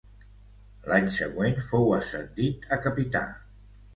L'any següent fou ascendit a capità.